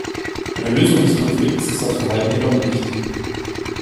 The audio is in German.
Eine Lösung des Konflikts ist das Verhalten jedoch nicht.